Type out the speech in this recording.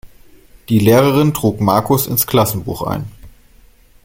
Die Lehrerin trug Markus ins Klassenbuch ein.